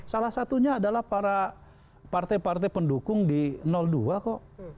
salah satunya adalah para partai partai pendukung di dua kok